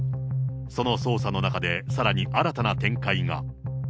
その捜査の中で、さらに新たな展開が。